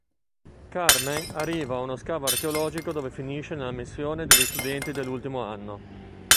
Carmen arriva a uno scavo archeologico dove finisce nella missione degli studenti dell'ultimo anno.